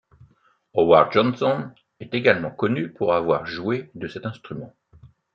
Howard Johnson est également connu pour avoir joué de cet instrument.